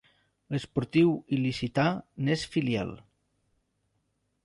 L'Esportiu Il·licità n'és filial.